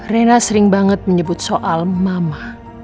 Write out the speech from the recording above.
rena sering banget menyebut soal mama